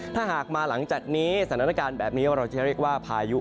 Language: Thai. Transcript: ถ้าหากมาหลังจากนี้สถานการณ์แบบนี้เราจะเรียกว่าพายุ